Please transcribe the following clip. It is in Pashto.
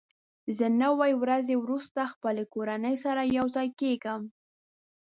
زه نوي ورځې وروسته خپلې کورنۍ سره یوځای کېږم.